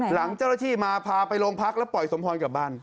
หลังเจ้าหน้าที่มาพาไปโรงพักแล้วปล่อยสมพรกลับบ้าน